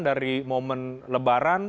dari momen lebaran